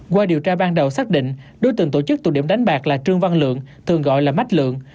qua điều tra ban đầu xác định đối tượng tổ chức tụ điểm đánh bạc là trương văn lượng thường gọi là mách lượng